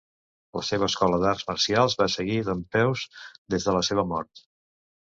La seva escola d'arts marcials va seguir dempeus des de la seva mort.